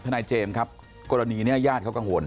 นายเจมส์ครับกรณีนี้ญาติเขากังวล